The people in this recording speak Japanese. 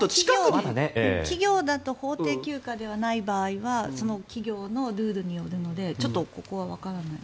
企業だと法定休暇ではない場合はその企業のルールによるのでちょっとここはわからない。